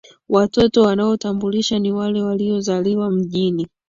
watoto wanaotambulishwa ni wale waliyozaliwa mjini